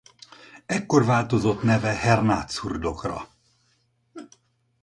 Ekkor változott neve Hernádszurdok-ra.